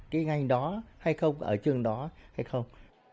cái ngành đó hay không ở trường đó hay không